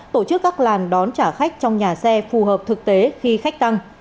tổ chức các làn đón trả khách trong nhà xe phù hợp thực tế khi khách tăng